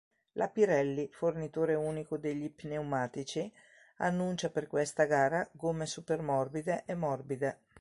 La Pirelli, fornitore unico degli pneumatici, annuncia per questa gara gomme "super-morbide" e "morbide".